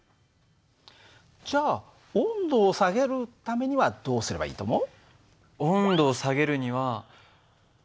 じゃあ温度を下げるためにはどうすればいいと思う？